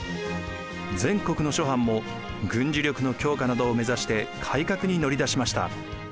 全国の諸藩も軍事力の強化などを目指して改革に乗り出しました。